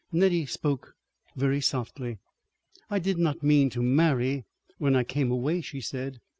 Nettie spoke very softly. "I did not mean to marry when I came away," she said.